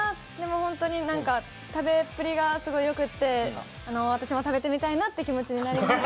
本当に食べっぷりがすごいよくて、私も食べてみたいなって気持ちになりました。